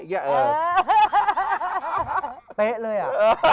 เป๊ะเลยอ่ะ